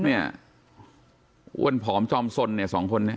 เนี่ยวนผอมจอมส่นเนี่ย๒คนนี้